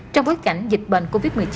trong bối cảnh dịch bệnh covid một mươi chín